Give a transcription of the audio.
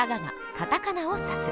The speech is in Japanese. カタカナを指す。